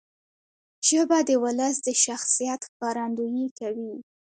ژبه د ولس د شخصیت ښکارندویي کوي.